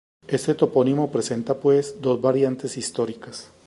Este topónimo presenta, pues, dos variantes históricas.